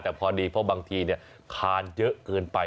แต่พอดีเพราะบางทีคานเยอะเกินไป